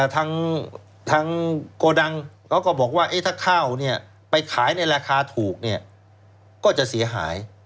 ทางโกดังเขาก็บอกว่าถ้าข้าวไปขายในราคาถูกเนี่ยก็จะเสียหาย